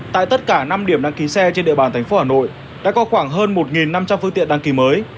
tại tất cả năm điểm đăng ký xe trên địa bàn thành phố hà nội đã có khoảng hơn một năm trăm linh phương tiện đăng ký mới